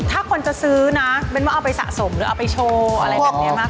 ถ้าคนจะซื้อนะเป็นว่าเอาไปสะสมหรือเอาไปโชว์อะไรแบบนี้มาก